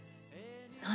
「何？